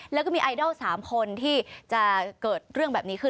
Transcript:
แล้วก็มีไอดอล๓คนที่จะเกิดเรื่องแบบนี้ขึ้น